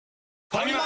ファミマ！